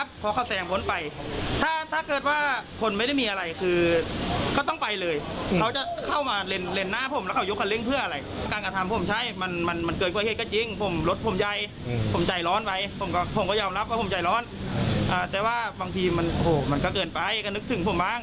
บางทีมันก็เกิดไปก็นึกถึงผมบ้าง